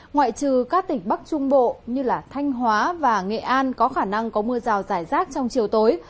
ngoại trừ các tỉnh bắc trung bộ như thanh hóa và nghệ an có khả năng có mưa rào rải rác trong chiều tối